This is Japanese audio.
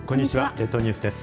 列島ニュースです。